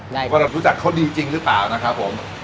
ได้จริงว่ารู้จักเขาดีจริงหรือเปล่านะครับก็ผม